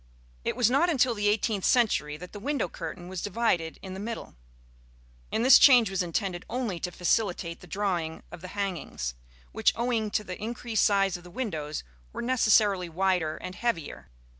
It was not until the eighteenth century that the window curtain was divided in the middle; and this change was intended only to facilitate the drawing of the hangings, which, owing to the increased size of the windows, were necessarily wider and heavier.